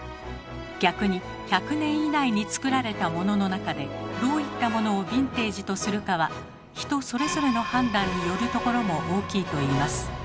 逆に１００年以内に作られたモノの中でどういったものをヴィンテージとするかは人それぞれの判断によるところも大きいといいます。